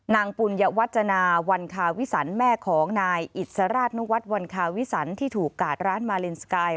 ปุญวัจจนาวันคาวิสันแม่ของนายอิสราชนุวัฒน์วันคาวิสันที่ถูกกาดร้านมาลินสกาย